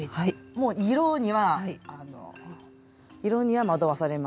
もう色にはあの色には惑わされません。